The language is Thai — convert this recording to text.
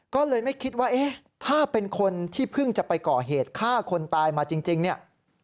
ก็เลยไม่คิดว่าเอ๊ะถ้าเป็นคนที่เพิ่งจะไปก่อเหตุฆ่าคนตายมาจริงเนี่ย